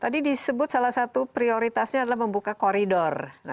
tadi disebut salah satu prioritasnya adalah membuka koridor